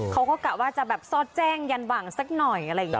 กะว่าจะแบบซอดแจ้งยันหวังสักหน่อยอะไรอย่างนี้